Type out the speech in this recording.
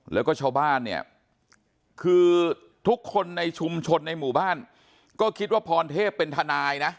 แล้วก็ชาวบ้านเนี่ยคือทุกคนในชุมชนในหมู่บ้านก็คิดว่าพรเทพเป็นทนายนะ